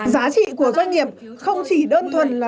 giá trị của doanh nghiệp không chỉ đơn thuần là